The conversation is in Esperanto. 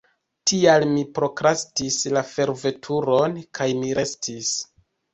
Tial mi prokrastis la forveturon kaj mi restis.